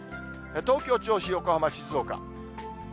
東京、銚子、横浜、静岡。